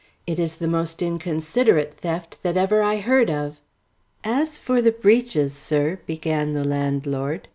It is the most inconsiderate theft that ever I heard of." "As for the breeches, sir," began the landlord.